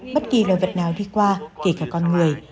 bất kỳ loài vật nào đi qua kể cả con người